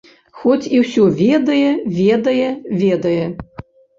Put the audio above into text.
Хоць і ўсё ведае, ведае, ведае.